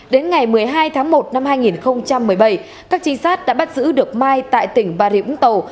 đến ngày một mươi hai tháng một năm hai nghìn một mươi bảy các trinh sát đã bắt giữ được mai tại tỉnh bà rịa vũng tàu